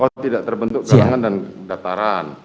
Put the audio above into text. oh tidak terbentuk galangan dan dataran